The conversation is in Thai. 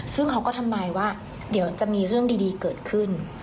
ซึ่งเขาก็ทำนายว่าเดี๋ยวจะมีเรื่องดีเกิดขึ้น